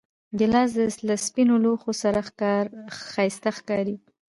ګیلاس له سپینو لوښو سره ښایسته ښکاري.